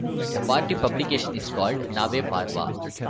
The party publication is called "Nave Parva".